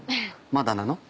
まだなの？」